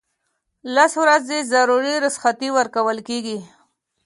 لس ورځې ضروري رخصتۍ ورکول کیږي.